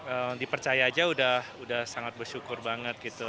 emang dipercaya aja udah sangat bersyukur banget gitu